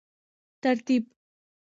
ترتیب